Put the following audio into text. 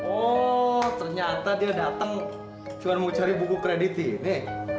oh ternyata dia datang cuma mau cari buku kredit ini